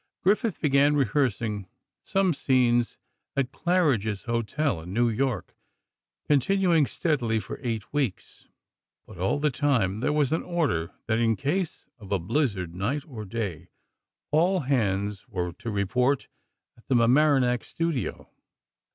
Griffith began rehearsing some scenes at Claridge's Hotel, in New York, continuing steadily for eight weeks; but all the time there was an order that in case of a blizzard, night or day, all hands were to report at the Mamaroneck studio.